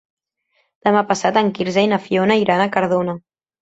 Demà passat en Quirze i na Fiona iran a Cardona.